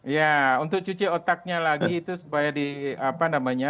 ya untuk cuci otaknya lagi itu supaya di apa namanya